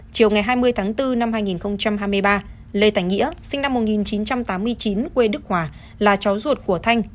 chiều ngày hai mươi tháng bốn năm hai nghìn hai mươi ba lê thành nghĩa sinh năm một nghìn chín trăm tám mươi chín quê đức hòa là cháu ruột của thanh